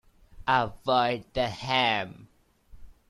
Avoid the ham.